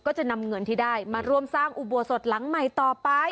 ก็จะนำเงินที่ได้มาร่วมสร้างอุโบสถหลังใหม่ต่อไป